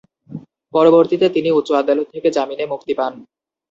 পরবর্তীতে তিনি উচ্চ আদালত থেকে জামিনে মুক্তি পান।